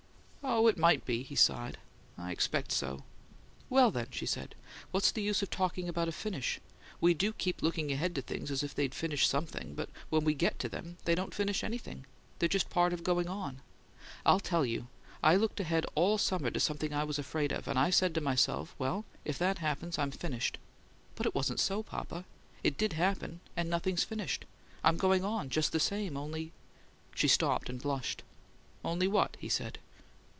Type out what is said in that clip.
"Oh, it might be," he sighed. "I expect so." "Well, then," she said, "what's the use of talking about a 'finish?' We do keep looking ahead to things as if they'd finish something, but when we get TO them, they don't finish anything. They're just part of going on. I'll tell you I looked ahead all summer to something I was afraid of, and I said to myself, 'Well, if that happens, I'm finished!' But it wasn't so, papa. It did happen, and nothing's finished; I'm going on, just the same only " She stopped and blushed. "Only what?" he asked.